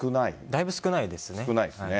だいぶ少ないですね。